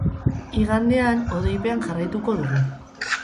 Igandean, hodeipean jarraituko dugu.